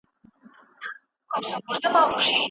موږ په سياسي چارو کي پوره مهارت نلرو.